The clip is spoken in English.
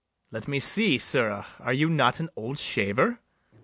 Let me see, sirrah; are you not an old shaver?